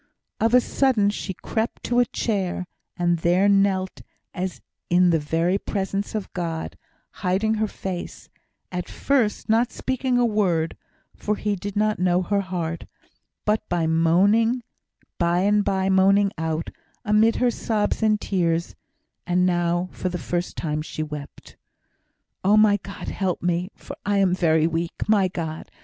Of a sudden she crept to a chair, and there knelt as in the very presence of God, hiding her face, at first not speaking a word (for did He not know her heart), but by and by moaning out, amid her sobs and tears (and now for the first time she wept), "Oh, my God, help me, for I am very weak. My God!